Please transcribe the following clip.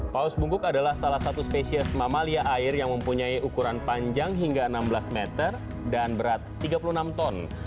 paus bungkuk adalah salah satu spesies mamalia air yang mempunyai ukuran panjang hingga enam belas meter dan berat tiga puluh enam ton